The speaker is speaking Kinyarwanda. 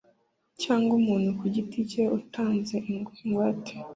cyangwa umuntu ku giti cye utanze ingwate